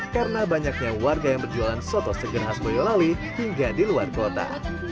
karena banyaknya warga yang berjualan soto segar khas boyolali hingga di luar kota